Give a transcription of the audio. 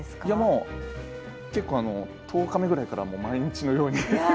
もう結構１０日目ぐらいから毎日のように。